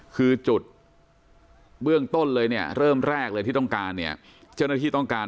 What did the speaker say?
คือจุดเริ่มแรกเลยที่ต้องการ